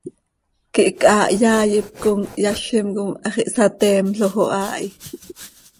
quih chaa hyaai hipcom yazim com hax ihsateemloj oo haa hi.